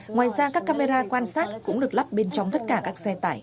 ngoài ra các camera quan sát cũng được lắp bên trong tất cả các xe tải